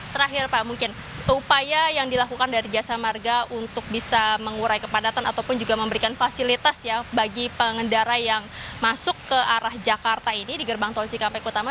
terakhir pak mungkin upaya yang dilakukan dari jasa marga untuk bisa mengurai kepadatan ataupun juga memberikan fasilitas ya bagi pengendara yang masuk ke arah jakarta ini di gerbang tol cikampek utama